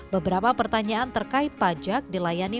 beberapa pertanyaan terkait pajak dilayani